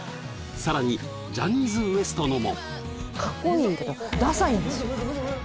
さらにジャニーズＷＥＳＴのも！